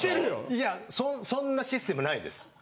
いやそんなシステムないです。